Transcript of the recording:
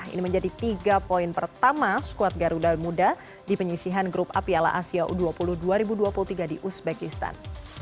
ini menjadi tiga poin pertama skuad garuda muda di penyisihan grup api ala asia u dua puluh dua ribu dua puluh tiga di uzbekistan